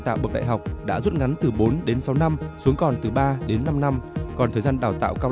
tạo bậc đại học đã rút ngắn từ bốn đến sáu năm xuống còn từ ba đến năm năm còn thời gian đào tạo cao